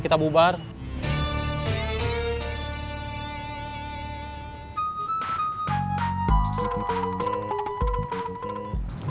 kamu selalu ngeri